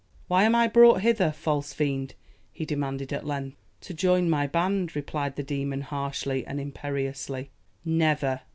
"Why am I brought hither, false fiend?" he demanded at length. "To join my band," replied the demon harshly and imperiously. "Never!"